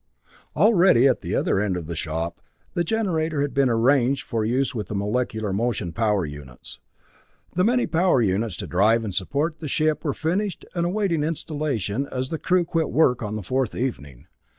Already at the other end of the shop the generator had been arranged for use with the molecular motion power units. The many power units to drive and support the ship were finished and awaiting installation as the crew quit work on the fourth evening.